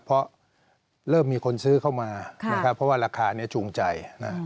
เพราะเริ่มมีคนซื้อเข้ามานะครับเพราะว่าราคานี้จูงใจ